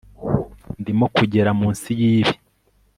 ndimo kugera munsi yibi